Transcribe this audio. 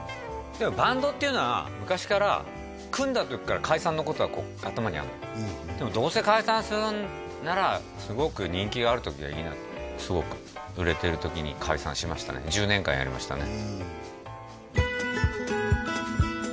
バンドっていうのは昔から組んだ時から解散のことはこう頭にあるのよでもどうせ解散するんならすごく人気がある時がいいなすごく売れてる時に解散しましたね１０年間やりましたね